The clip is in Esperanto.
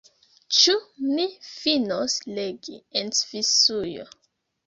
Ĉu ni finos legi „En Svisujo“?